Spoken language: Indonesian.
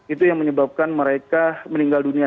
itu yang menyebabkan mereka meninggal dunia